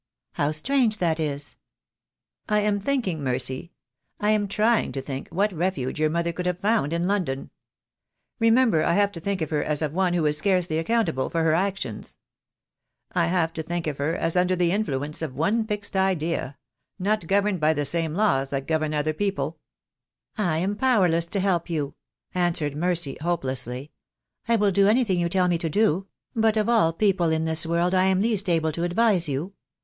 "How strange that is." "I am thinking, Mercy; I am trying to think what refuge your mother could have found in London? Re member I have to think of her as of one who is scarcely accountable for her actions. I have to think of her as THE DAY WILL COME. 2$$ under the influence of one fixed idea — not governed by the same laws that govern other people." '"I am powerless to help you," answered Mercy, hope lessly. "I will do anything you tell me to do — but of all people in this world I am least able to advise you.